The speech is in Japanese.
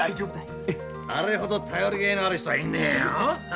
あれほど頼りがいのある人はいねえよ。